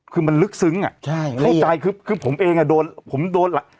คือมันลึกซึ้งอ่ะใช่เข้าใจคือผมเองอ่ะโดนผมโดน